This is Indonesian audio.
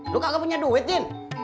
lu kagak punya duit jin